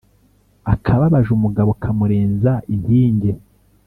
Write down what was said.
Akababaje umugabo kamurenza impinge